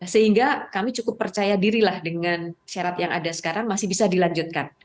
sehingga kami cukup percaya diri lah dengan syarat yang ada sekarang masih bisa dilanjutkan